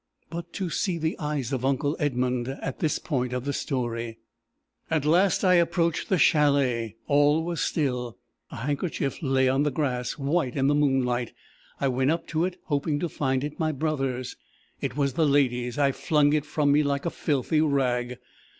But to see the eyes of uncle Edmund at this point of the story! "At last I approached the chalet. All was still. A handkerchief lay on the grass, white in the moonlight. I went up to it, hoping to find it my brother's. It was the lady's. I flung it from me like a filthy rag.